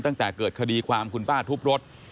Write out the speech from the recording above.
ตั้งแต่เกิดคดีความคุณป้าทุบรถ